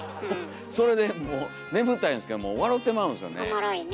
それでもう眠たいんですけどもう笑てまうんですよね。